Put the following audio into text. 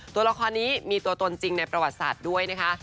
ตัวละครนี้มีตัวตนจริงในประวัติศาสตร์ด้วยนะคะ